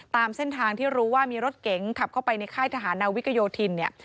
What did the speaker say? ตามเส้นทางที่รู้ว่ามีรถเก๋งขับเข้าไปในค่ายทหารนาวิกโยธินเนี่ย